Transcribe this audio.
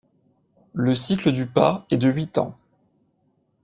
Le cycle du pas est de huit temps.